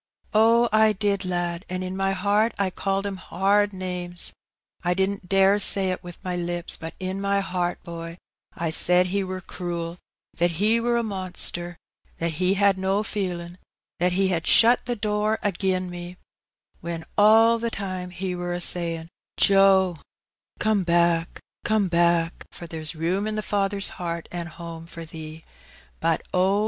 Oh^ I did^ lad^ an' in my heart I called Him 'ard names. I didn't dare say it wi' my lips^ but in my hearty boy, I said He wur cruel — that He wur a monster^ that He had no feelin', that He had shut the door agin me^ when all the time He wur a sayin', 'Joe, come back^ come back^ €( A Glimpse op Paradise. 155 for there^s room in the Father's heart and home for thee/ Bnt^ oh!